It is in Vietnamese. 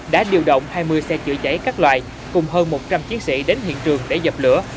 đã điều động hai mươi xe chữa cháy các loại cùng hơn một trăm linh chiến sĩ đến hiện trường để dập lửa